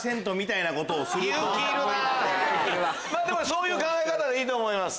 でもそういう考え方でいいと思います。